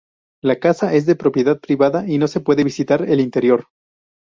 La casa es de propiedad privada y no se puede visitar el interior.